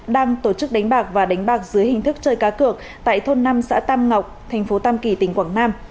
đang tổ chức đánh bạc và đánh bạc dưới hình thức chơi cá cược tại thôn năm xã tam ngọc thành phố tam kỳ tỉnh quảng nam